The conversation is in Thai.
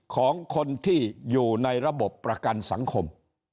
ของคนที่อยู่ในระบบประกันสังคม